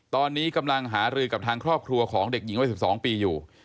ตอนนี้กำลังหารือกับทางครอบครัวของเด็กหญิงวัย๑๒ปีอยู่